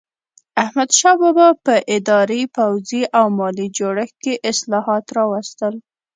احمدشاه بابا په اداري، پوځي او مالي جوړښت کې اصلاحات راوستل.